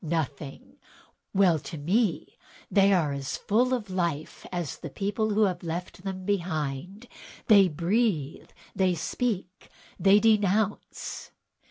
Nothing; well, to me they are as full of life as the people who have left them behind; they breathe, they speak, and they denounce!"